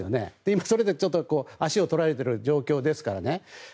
今、それで足を取られている状況ですからね。